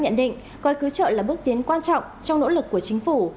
nhận định coi cứu trợ là bước tiến quan trọng trong nỗ lực của chính phủ